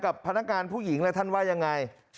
กับพนักงานผู้หญิงท่านว่ายังไง